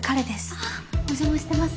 あぁお邪魔してます。